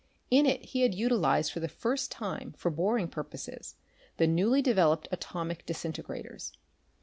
In it he had utilized for the first time for boring purposes the newly developed atomic disintegrators.